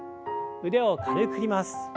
腕を軽く振ります。